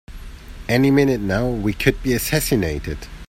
Any minute now we could be assassinated!